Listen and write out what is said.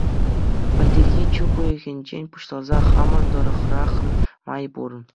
Пӗлтӗрхи чӳк уйӑхӗнчен пуҫласа хамӑр тӑрӑхрах май пур.